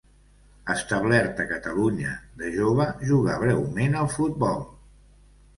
Establert a Catalunya, de jove jugà breument al futbol.